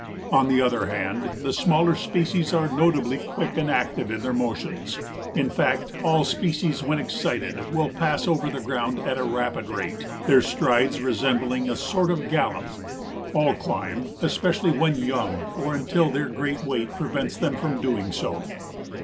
On the other hand the smaller species are notably quick and active in their motions. In fact all species when excited will pass over the ground at a rapid rate, their strides resembling a sort of gallop. All climb, especially when young or until their great weight prevents them from doing so.